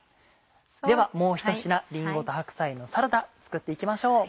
ではもうひと品りんごと白菜のサラダ作って行きましょう。